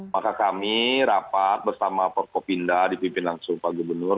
maka kami rapat bersama forkopinda dipimpin langsung pak gubernur